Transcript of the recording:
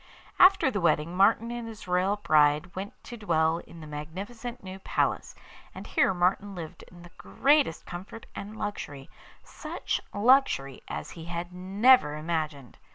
After the wedding Martin and his royal bride went to dwell in the magnificent new palace, and here Martin lived in the greatest comfort and luxury, such luxury as he had never imagined.